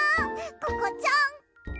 ココちゃん。